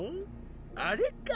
あれか？